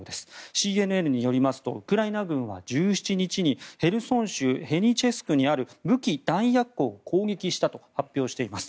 ＣＮＮによりますとウクライナ軍は１７日にヘルソン州ヘニチェスクにある武器弾薬庫を攻撃したと発表しています。